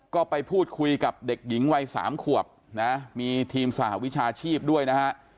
ก็ไปพูดคุยกับเด็กหญิงวัย๓ขวบนะมีทีมสหวิชาชีพด้วยนะฮะ